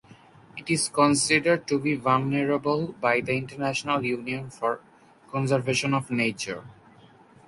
It is considered to be vulnerable by the International Union for Conservation of Nature.